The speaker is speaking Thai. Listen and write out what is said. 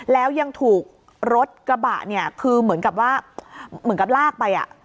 แล้วยังถูกรถกระบะคือเหมือนกับลากไป